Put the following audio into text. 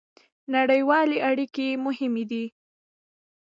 نړیوالې اړیکې مهمې دي